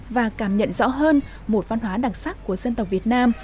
và cảm nhận rõ hơn một văn hóa đặc sắc của việt nam